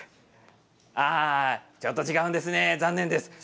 ちょっと違うんですね残念です。